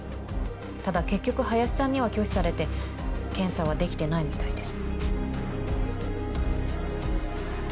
ただ結局林さんには拒否されて検査はできてないみたいです。